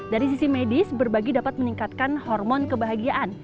dari sisi medis berbagi dapat meningkatkan hormon kebahagiaan